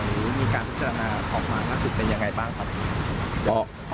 หรือมีการพบไมของหัวหน้ากลางเป็นอย่างไรบ้างครับ